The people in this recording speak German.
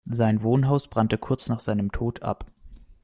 Sein Wohnhaus brannte kurz nach seinem Tod ab.